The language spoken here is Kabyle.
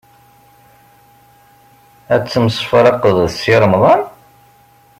Ad temsefraqeḍ d Si Remḍan?